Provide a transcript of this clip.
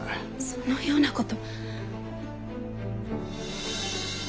そのようなこと。